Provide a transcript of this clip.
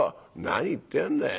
「何言ってやんだい。